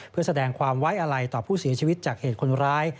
เพื่อแสดงความไว้อะไรต่อผู้เสียชีวิตจากเหตุคนร้าย